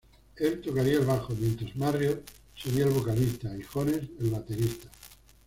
Él tocaría el bajo, mientras Marriott sería el vocalista y Jones el baterista.